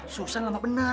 susah ngomong bener